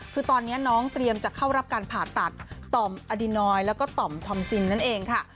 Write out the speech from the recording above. คือตอนนี้น้องเตรียมจะเข้ารับการผ่าตัดต่อมอดินอยแล้วก็ต่อมทอมซินนั่นเองค่ะ